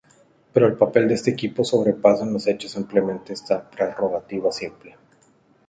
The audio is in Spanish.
Pero el papel de este equipo sobrepasa en los hechos ampliamente esta prerrogativa simple.